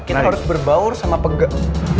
kita harus berbaur sama pegang